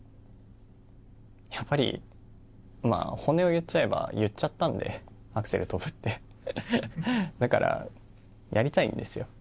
やっぱり本音を言っちゃえば言っちゃったのでアクセル跳ぶってだから、やりたいんですよ。